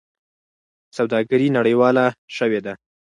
سوداګري نړیواله شوې ده.